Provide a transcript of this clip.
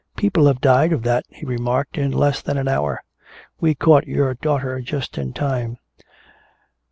"People have died of that," he remarked, "in less than an hour. We caught your daughter just in time.